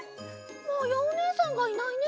まやおねえさんがいないね。